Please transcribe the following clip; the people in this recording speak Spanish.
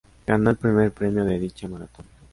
Ganó el primer premio de dicha maratón.